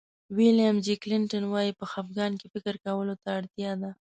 ویلیام جي کلنټن وایي په خفګان کې فکر کولو ته اړتیا ده.